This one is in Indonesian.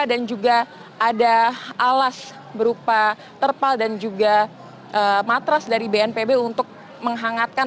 dan juga ada alas berupa terpal dan juga matras dari bnpb untuk menghangatkan